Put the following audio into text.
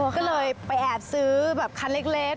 ก็เลยไปแอบซื้อแบบคันเล็ก